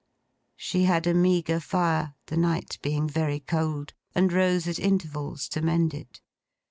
She had a meagre fire, the night being very cold; and rose at intervals to mend it.